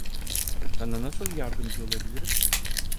Sana nasıl yardımcı olabilirim?